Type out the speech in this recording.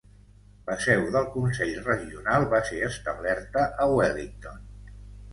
La seu del consell regional va ser establerta a Wellington.